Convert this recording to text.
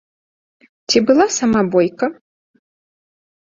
Ці была сама бойка?